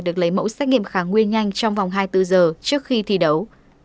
được lấy mẫu xét nghiệm kháng nguyên nhanh trong vòng hai mươi bốn giờ trước khi thi đấu